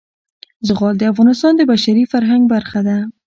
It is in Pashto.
زغال د افغانستان د بشري فرهنګ برخه ده.